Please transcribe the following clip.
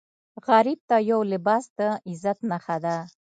غریب ته یو لباس د عزت نښه ده